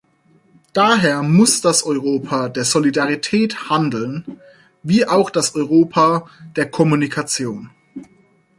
Daher muss das Europa der Solidarität handeln, wie auch das Europa der Kommunikation.